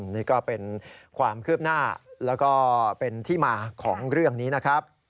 นี่ก็เป็นความคืบหน้าแล้วก็เป็นที่มาของเรื่องนี้นะครับ